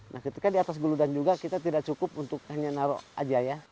nah ketika di atas guludan juga kita tidak cukup untuk hanya naruh aja ya